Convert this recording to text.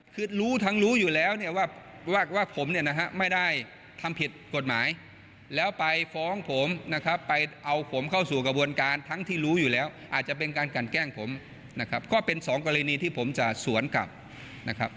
คือรู้ทั้งรู้อยู่แล้วเนี่ยว่าผมเนี่ยนะฮะไม่ได้ทำผิดกฎหมายแล้วไปฟ้องผมนะครับไปเอาผมเข้าสู่กระบวนการทั้งที่รู้อยู่แล้วอาจจะเป็นการกันแกล้งผมนะครับก็เป็นสองกรณีที่ผมจะสวนกลับนะครับ